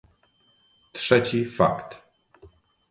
Trzeci fakt